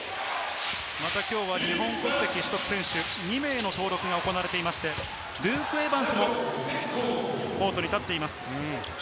きょうは日本国籍取得選手２名の登録が行われていまして、ルーク・エヴァンスもコートに立っています。